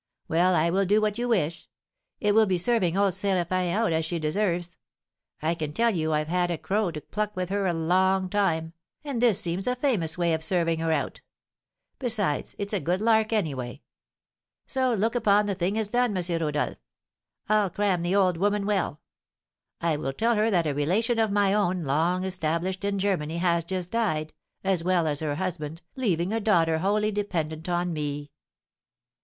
Well, I will do what you wish; it will be serving old Séraphin out as she deserves. I can tell you I have had a crow to pluck with her a long time, and this seems a famous way of serving her out; besides, it's a good lark, any way. So look upon the thing as done, M. Rodolph. I'll cram the old woman well. I will tell her that a relation of my own, long established in Germany, has just died, as well as her husband, leaving a daughter wholly dependent on me."